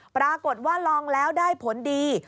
ปรากฏว่าลองแล้วได้ผลดี